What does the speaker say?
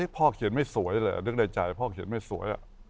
เขียนไม่สวยเลยนึกในใจพ่อเขียนไม่สวย